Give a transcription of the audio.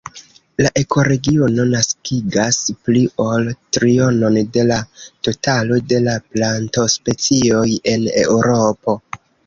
La ekoregiono gastigas pli ol trionon de la totalo de la plantospecioj en Eŭropo.